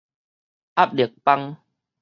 壓力枋